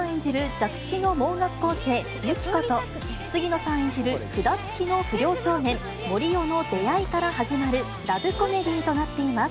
弱視の盲学校生、ユキコと、杉野さん演じる札つきの不良少年、森生の出会いから始まるラブコメディーとなっています。